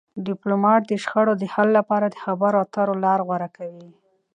ډيپلومات د شخړو د حل لپاره د خبرو اترو لار غوره کوي.